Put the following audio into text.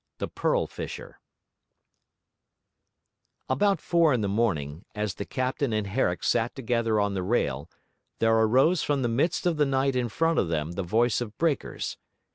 THE PEARL FISHER About four in the morning, as the captain and Herrick sat together on the rail, there arose from the midst of the night in front of them the voice of breakers.